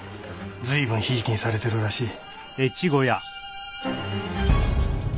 随分ひいきにされてるらしい。